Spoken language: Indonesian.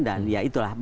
dan ya itulah